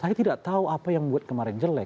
saya tidak tahu apa yang membuat kemarin jelek